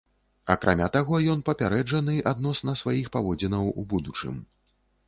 Акрамя таго, ён папярэджаны адносна сваіх паводзінаў у будучым.